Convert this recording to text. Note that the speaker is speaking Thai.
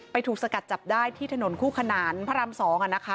ถูกสกัดจับได้ที่ถนนคู่ขนานพระราม๒นะคะ